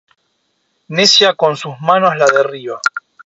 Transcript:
necia con sus manos la derriba.